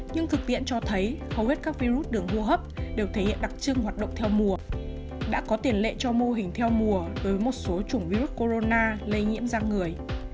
nhưng thực tiện cho thấy hầu hết các virus đường hô hấp đều thể hiện đặc trưng hoạt động theo mùa đã có tiền lệ cho mô hình theo mùa với một số chủng virus corona lây nhiễm ra người